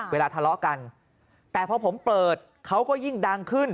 เวลาทะเลาะกันแต่พอผมเปิดเขาก็ยิ่งดังขึ้น